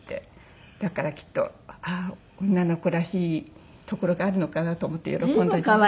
だからきっと女の子らしいところがあるのかなと思って喜んだんじゃないかと。